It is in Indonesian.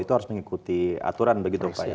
itu harus mengikuti aturan begitu pak ya